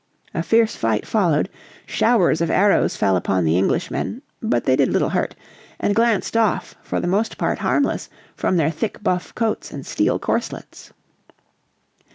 A fierce fight followed, showers of arrows fell upon the Englishmen, but they did little hurt, and glanced off for the most part harmless from their thick buff coats and steel corslets.